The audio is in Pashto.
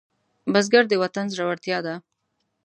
بزګر د وطن زړورتیا ده